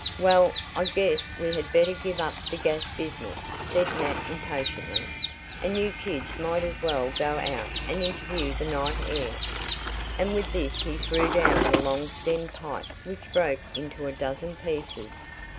"Well, I guess we had better give up the gas business," said Nat impatiently, "and you kids might as well go out and interview the night air." And with this he threw down the long stemmed pipe, which broke into a dozen pieces.